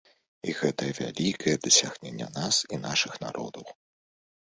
І гэта вялікае дасягненне нас і нашых народаў.